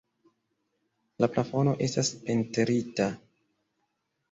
La plafono estas pentrita.